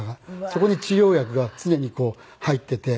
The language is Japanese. そこに治療薬が常に入ってて。